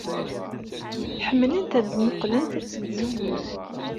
Ḥemmlent ad mmuqqlent seg tzewwut.